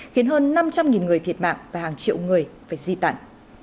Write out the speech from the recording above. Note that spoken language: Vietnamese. khiến hơn năm trăm linh người thiệt mạng và hàng triệu người phải di tản